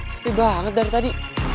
sepi banget dari tadi